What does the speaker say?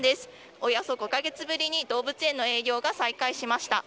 およそ５か月ぶりに動物園の営業が再開しました。